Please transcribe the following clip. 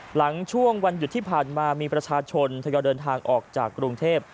หลังช่วงวันหยุดที่ผ่านมามีประชาชนทยอยเดินทางออกจากกรุงเทพ